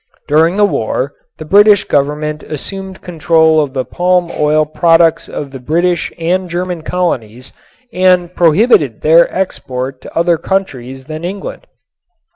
During the war the British Government assumed control of the palm oil products of the British and German colonies and prohibited their export to other countries than England.